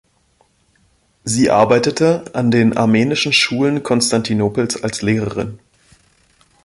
Sie arbeitete an den armenischen Schulen Konstantinopels als Lehrerin.